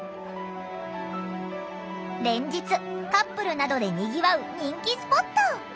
連日カップルなどでにぎわう人気スポット。